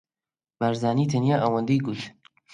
بارزانی تەنیا ئەوەندەی گوت: